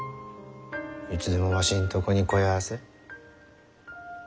いつでもわしんとこに来やせ。